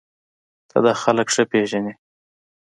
ته دا خلک ښه پېژنې